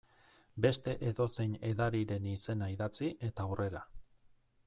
Beste edozein edariren izena idatzi, eta aurrera.